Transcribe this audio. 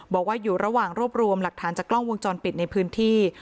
บอกว่าอยู่ระหว่างรวบรวมหลักฐานจากกล้องวงจรปิดในพื้นที่